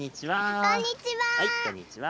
こんにちは。